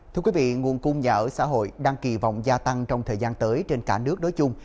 thưa quý vị nguồn cung nhà ở xã hội đang kỳ vọng gia tăng trong thời gian tới trên cả nước đối chung